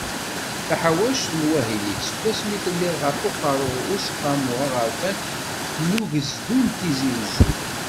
Taḥawact n wahil-ik, seg wasmi telliḍ ɣef uqerru n Useqqamu Aɣerfan n Ugezdu n Tizi Uzzu.